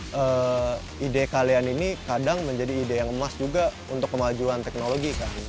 karena ide kalian ini kadang menjadi ide yang emas juga untuk kemajuan teknologi kan